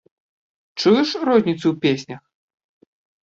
Чуеш розніцу ў песнях?